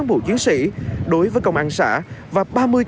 ba mươi cán bộ chiến sĩ đối với công an phường